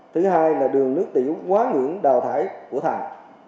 thứ hai là đường nước tỉu quá ngưỡng đào thải của thạng